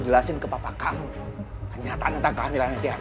jelasin ke papa kamu kenyataan tentang kehamilan tiana